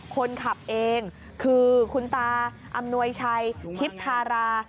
คนขับเองคือคุณตาอำนวยชัยทิพย์ธารา